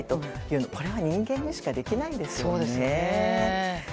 これは人間にしかできないですよね。